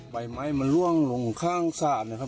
ใบไม้มันล่วงลงข้างสระ